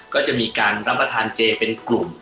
ก็จะมีการรับประทานเจเป็นกลุ่ม